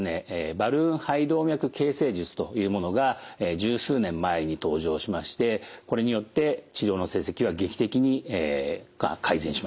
バルーン肺動脈形成術というものが十数年前に登場しましてこれによって治療の成績は劇的に改善しました。